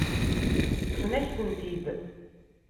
Ṭṭfent-ak-tent-id.